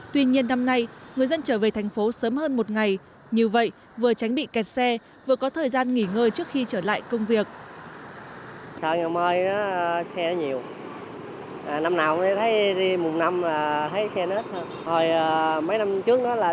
tuy nhiên năm nay người dân trở về thành phố sớm hơn một ngày như vậy vừa tránh bị kẹt xe vừa có thời gian nghỉ ngơi trước khi trở lại công việc